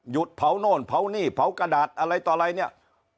เผาโน่นเผานี่เผากระดาษอะไรต่ออะไรเนี่ย